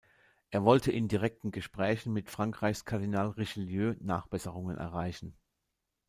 Er wollte in direkten Gesprächen mit Frankreichs Kardinal Richelieu Nachbesserungen erreichen.